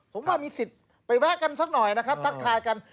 ผมว่ามีสิทธิ์ไปแวะกันสักหน่อยนะครับทักทายกัน